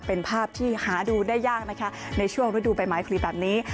เป็นภาพที่หาดูได้ยากนะคะในช่วงฤดูใบไม้พลีแบบนี้